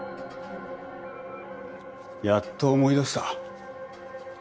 やっと思い出した？